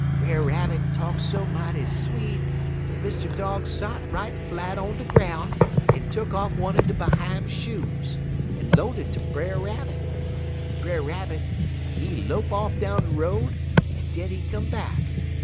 "Brer Rabbit talk so mighty sweet dat Mr. Dog sot right flat on de groun' en tuck off one er de behime shoes, en loant it ter Brer Rabbit. Brer Rabbit, he lope off down de road en den he come back.